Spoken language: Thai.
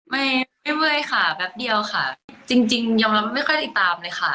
ไม่เมื่อยค่ะแป๊บเดียวค่ะจริงยอมรับไม่ค่อยติดตามเลยค่ะ